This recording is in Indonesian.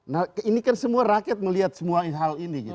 nah ini kan semua rakyat melihat semua hal ini gitu